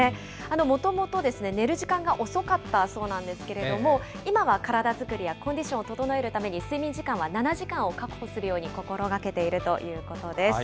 もともと寝る時間が遅かったそうなんですけれども、今は体作りやコンディションを整えるために、睡眠時間は７時間を確保するように心がけているということです。